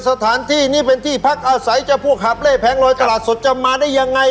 สถานที่นี้เป็นที่พักอาศัยเจ้าพวกหาบเล่แผงลอยตลาดสดจะมาได้ยังไง